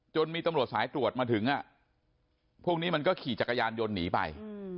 มีตำรวจสายตรวจมาถึงพวกนี้มันก็ขี่จักรยานยนต์หนีไป